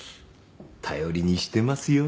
頼りにしてますよ。